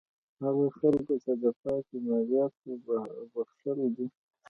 هغه خلکو ته د پاتې مالیاتو بخښل دي.